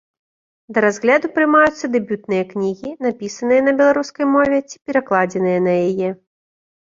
Да разгляду прымаюцца дэбютныя кнігі, напісаныя на беларускай мове ці перакладзеныя на яе.